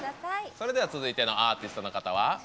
続いてのアーティストの方は？